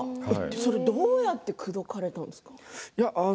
どうやって口説いたんですか？